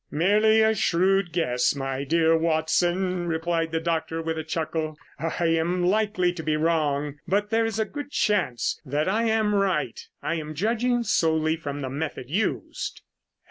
"Merely a shrewd guess, my dear Watson," replied the doctor with a chuckle. "I am likely to be wrong, but there is a good chance that I am right. I am judging solely from the method used."